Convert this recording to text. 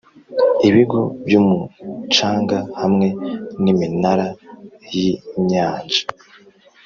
ibigo byumucanga hamwe niminara yinyanja